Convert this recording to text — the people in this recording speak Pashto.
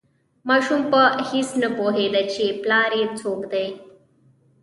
ماشوم په هیڅ نه پوهیده چې پلار یې څوک دی.